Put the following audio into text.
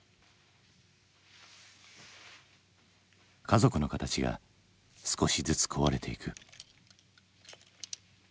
家族の形が少しずつ壊れていく。